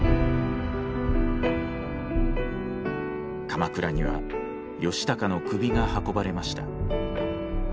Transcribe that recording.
鎌倉には義高の首が運ばれました。